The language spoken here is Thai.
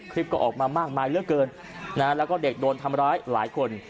ก็ออกมามากมายเหลือเกินแล้วก็เด็กโดนทำร้ายหลายคน